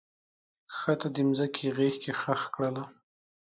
کښته د مځکې غیږ کې ښخ کړله